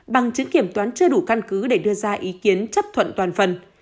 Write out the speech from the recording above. bằng chứng kiểm toán chưa đủ căn cứ để đưa ra ý kiến chấp thuận toàn phần